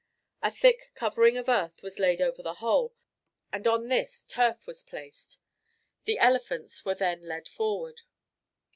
A thick covering of earth was laid over the whole, and on this turf was placed. The elephants were then led forward.